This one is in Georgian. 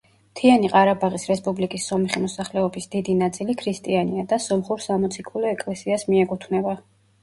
მთიანი ყარაბაღის რესპუბლიკის სომეხი მოსახლეობის დიდი ნაწილი ქრისტიანია და სომხურ სამოციქულო ეკლესიას მიეკუთვნება.